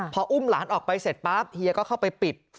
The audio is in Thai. พออุ้มหลานออกไปเสร็จปั๊บเฮียก็เข้าไปปิด